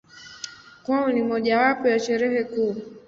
Kwao ni mojawapo ya Sherehe kuu.